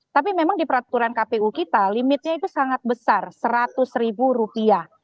tapi memang di peraturan kpu kita limitnya itu sangat besar seratus ribu rupiah